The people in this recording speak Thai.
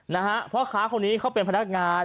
นะฮะพ่อค้าคนนี้เขาเป็นพนักงาน